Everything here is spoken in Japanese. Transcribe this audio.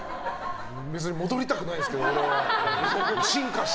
別に戻りたくないですけど俺は。